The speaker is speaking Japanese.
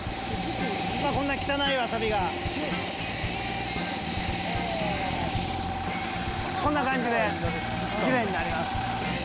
今、こんな汚いわさびが、こんな感じできれいになります。